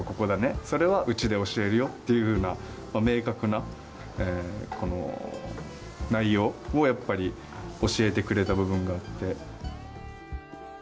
「それはうちで教えるよ」っていうふうな明確な内容をやっぱり教えてくれた部分があって。